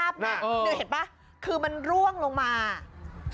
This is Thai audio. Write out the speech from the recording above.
เป็นไง